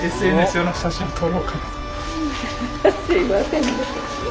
すいませんね。